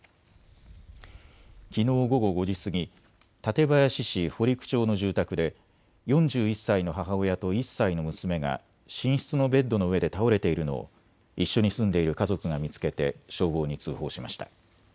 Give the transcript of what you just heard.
きのう午後５時過ぎ、館林市堀工町の住宅で４１歳の母親と１歳の娘が寝室のベッドの上で倒れているのを一緒に住んでいる家族が見つけて消防に通報しました。